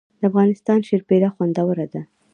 د افغانستان شیرپیره خوندوره ده